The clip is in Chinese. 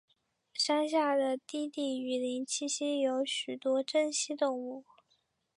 山下的低地雨林栖息有许多珍稀动物。